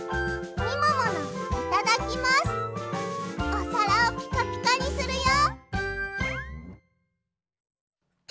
おさらをピカピカにするよ！